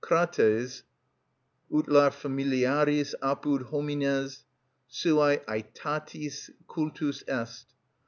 "_Crates, ut lar familiaris apud homines suæ ætatis cultus est.